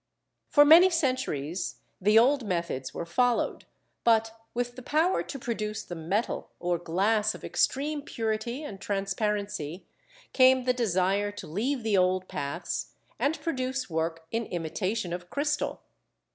For many centuries the old methods were followed, but with the power to produce the "metal," or glass of extreme purity and transparency, came the desire to leave the old paths, and produce work in imitation of crystal.